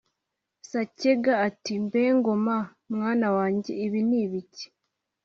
Sacyega ati « mbe Ngoma mwana wanjye, ibi ni ibiki? "